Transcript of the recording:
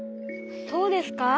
そうですか？